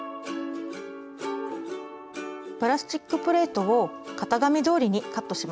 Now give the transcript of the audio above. プラスチックプレートを型紙どおりにカットします。